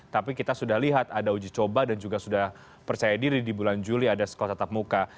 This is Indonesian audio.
tapi kita sudah lihat ada uji coba dan juga sudah percaya diri di bulan juli ada sekolah tetap muka